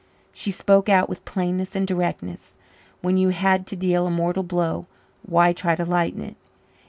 She spoke out, with plainness and directness. When you had to deal a mortal blow, why try to lighten it?